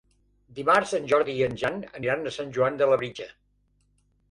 Dimarts en Jordi i en Jan aniran a Sant Joan de Labritja.